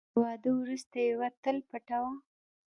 له واده وروسته یوه تل پټوه .